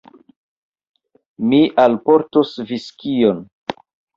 Mi alportos viskion.